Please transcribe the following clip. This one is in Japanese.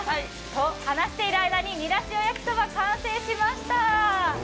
話しているうちに、ニラ塩焼きそば、完成しました。